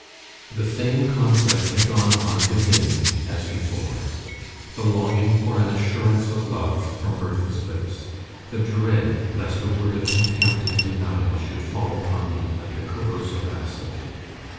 The same conflict had gone on within me as before the longing for an assurance of love from Bertha's lips, the dread lest a word of contempt and denial should fall upon me like a corrosive acid.